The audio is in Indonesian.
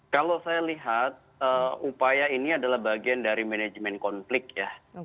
kalau saya lihat upaya ini adalah bagian dari manajemen konflik ya